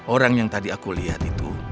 orang yang tadi aku lihat itu